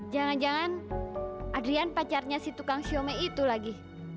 jangan jangan adrian pacarnya si tukang siome itu lagi